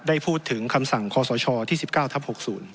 ได้พูดถึงคำสั่งคศที่๑๙ทับ๖๐